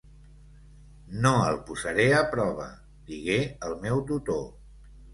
"No el posaré a prova", digué el meu tutor.